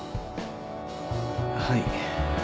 はい。